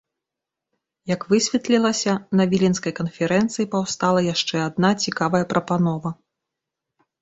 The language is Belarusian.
Як высветлілася, на віленскай канферэнцыі паўстала яшчэ адна цікавая прапанова.